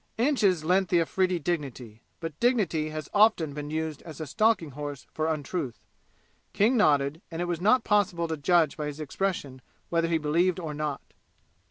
Inches lent the Afridi dignity, but dignity has often been used as a stalking horse for untruth. King nodded, and it was not possible to judge by his expression whether he believed or not.